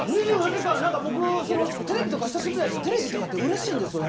２４時間何か僕テレビとか久しぶりやしテレビとかって嬉しいんですよ